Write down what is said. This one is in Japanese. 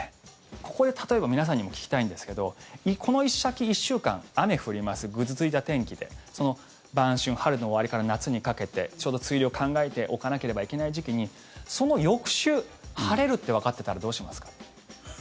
ここで、例えば皆さんにも聞きたいんですけどこの先１週間雨降ります、ぐずついた天気で晩春、春の終わりから夏にかけてちょうど梅雨入りを考えておかなければいけない時期にその翌週、晴れるってわかっていたらどうしますか？